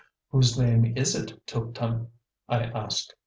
"Whose name is it, Tuptim?" I asked.